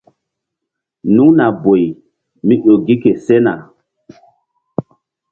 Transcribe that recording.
Nuŋna boy mí ƴo gi ke sena.